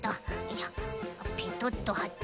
ペトッとはって。